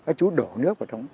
các chú đổ nước vào trong